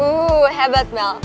uh hebat mel